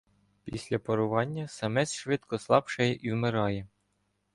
Після парування самець швидко слабшає і вмирає.